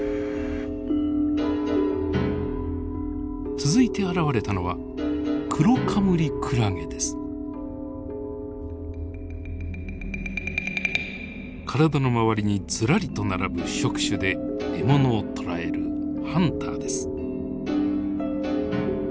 続いて現れたのは体の回りにずらりと並ぶ触手で獲物を捕らえるハンターです。